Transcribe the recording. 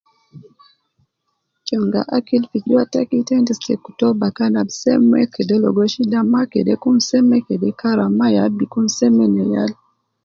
Chunga akili fi juwa taki tendis te kutu uwo bakan ab seme kede o ligo shida maa kede Kun seme kede karab maa ya bi Kun seme na yal.